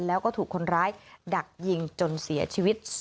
แล้วก็ถูกคนร้ายดักยิงจนเสียชีวิต